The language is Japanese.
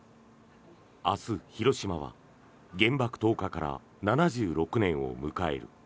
このあとは明日、広島は原爆投下から７６年を迎える。